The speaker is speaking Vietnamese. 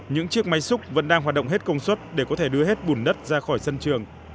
những chiếc máy xúc vẫn đang hoạt động hết công suất để có thể đưa hết bùn đất ra khỏi sân trường